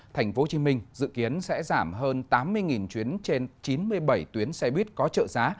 tp hcm dự kiến sẽ giảm hơn tám mươi chuyến trên chín mươi bảy tuyến xe buýt có trợ giá